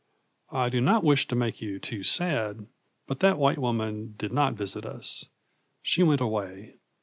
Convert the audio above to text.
I do not wish to make you too sad, but that white woman did not visit us. She went away.